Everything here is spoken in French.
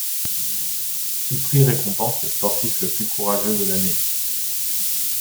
Ce prix récompense le sportif le plus courageux de l'année.